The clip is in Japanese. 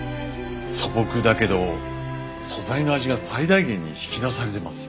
素朴だけど素材の味が最大限に引き出されてます。